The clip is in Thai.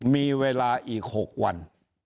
มีเวลาอีก๖วัน